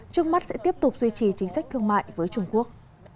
trước mắt sẽ tiếp tục duy trì chính sách thương mại với trung quốc